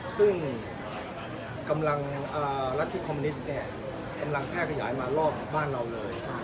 ซึ่งกำลังรัฐธิกคอมมินิสเป็นรังแพร่กระยายมารอบบ้านเราเลย